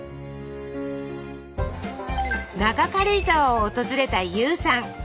中軽井沢を訪れたＹＯＵさん。